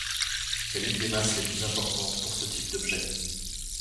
C'est l'une des masses les plus importantes pour ce type d'objet.